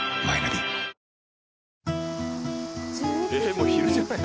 もう昼じゃない。